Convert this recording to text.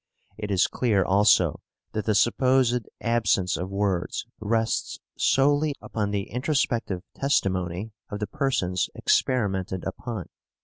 It is clear also that the supposed absence of words rests solely upon the introspective testimony of the persons experimented upon.